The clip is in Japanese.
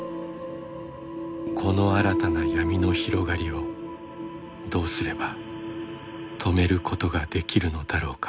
この新たな闇の広がりをどうすれば止めることができるのだろうか。